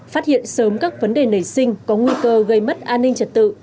phát hiện sớm các vấn đề nảy sinh có nguy cơ gây mất an ninh trật tự